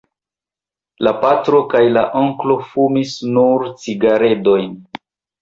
La patro kaj la onklo fumis nur cigaredojn.